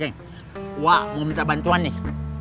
wah mau minta bantuan nih